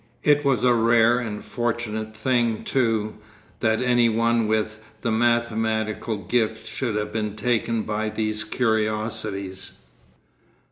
It was a rare and fortunate thing, too, that any one with the mathematical gift should have been taken by these curiosities.